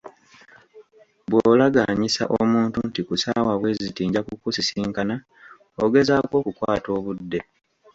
Bw'olagaanyisa omuntu nti ku ssaawa bwe ziti nja kukusisinkana, ogezaako okukukwata obudde.